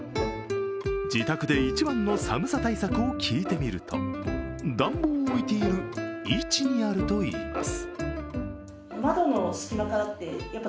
自宅で一番の寒さ対策を聞いてみると、暖房を置いている位置にあるといいます。